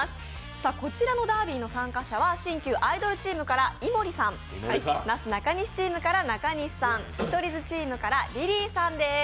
こちらのダービーの参加者は、新旧アイドルチームから井森さん、なすなかにしチームから中西さん、見取り図チームからリリーさんです。